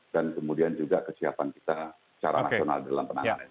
dan kemudian juga kesiapan kita secara nasional dalam penangkanan